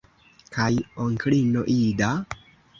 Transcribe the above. Kaj onklino Ida?